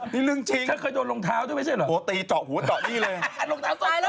นี่เรื่องจริง